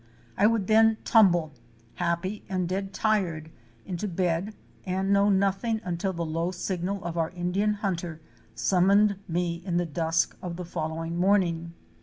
I would then tumble, happyand dead tired, into bed and know nothing until the low signal of our Indian hunter summoned me in the dusk of the following morning.